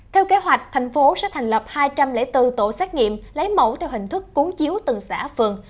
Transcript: theo kế hoạch thành phố sẽ thành lập hai trăm linh bốn tổ xét nghiệm lấy mẫu theo hình thức cuốn chiếu từng xã phường